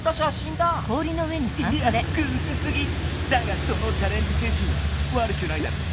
だがそのチャレンジせいしんはわるくないだろう。